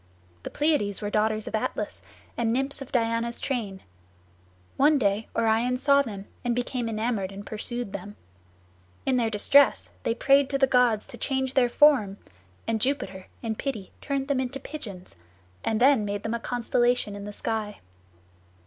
The Pleiads were daughters of Atlas, and nymphs of Diana's train. One day Orion saw them and became enamoured and pursued them. In their distress they prayed to the gods to change their form, and Jupiter in pity turned them into pigeons, and then made them a constellation in the sky.